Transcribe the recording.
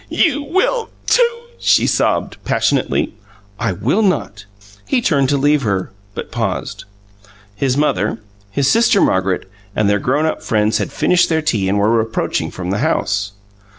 "You will, too!" she sobbed, passionately. "I will not!" He turned to leave her, but paused. His mother, his sister Margaret, and their grownup friends had finished their tea and were approaching from the house.